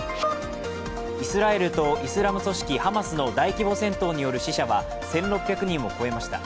イスラエルとイスラム組織ハマスの大規模戦闘による死者は１６００人を超えました。